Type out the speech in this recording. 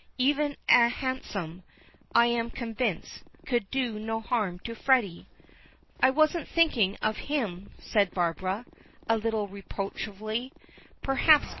Even a hansom, I am convinced, could do no harm to Freddy." "I wasn't thinking of him," says Barbara, a little reproachfully, perhaps.